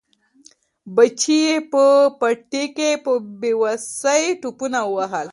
بچي یې په پټي کې په بې وسۍ ټوپونه وهل.